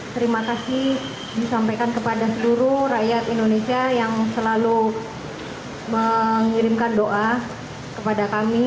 terima kasih disampaikan kepada seluruh rakyat indonesia yang selalu mengirimkan doa kepada kami